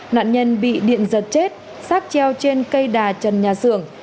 nạn nhân bị điện giật chết xác treo trên cây đà trần nhà xưởng